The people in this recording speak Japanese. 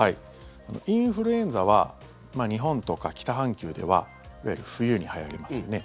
インフルエンザは日本とか北半球では冬にはやりますよね。